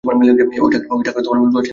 এ টাকা লোহার সিন্দুকে ফেরবার পথ বন্ধ।